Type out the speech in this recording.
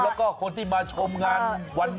แล้วก็คนที่มาชมงานวัน